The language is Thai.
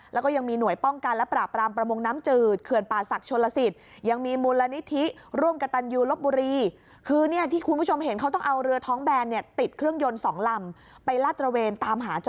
แล้วก็ยังมีหน่วยป้องกันและปราบรามประมงน้ำจืดเขื่อนป่าศักดิ์